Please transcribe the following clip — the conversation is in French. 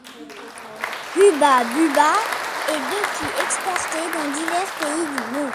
Hubba Bubba est depuis exportée dans divers pays du monde.